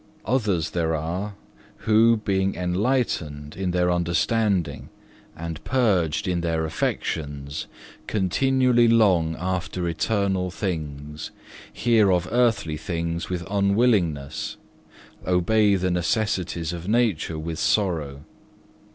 Others there are who, being enlightened in their understanding and purged in their affections, continually long after eternal things, hear of earthly things with unwillingness, obey the necessities of nature with sorrow.